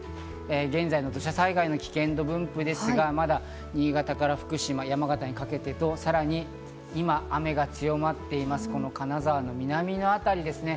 現在の土砂災害の危険度分布ですが、まだ新潟から福島、山形にかけてと、さらに今、雨が強まっています、この金沢の南の辺りですね。